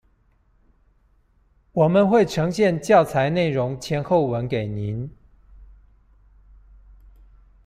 我們會呈現教材內容前後文給您